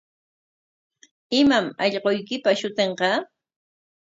¿Imam allquykipa shutinqa?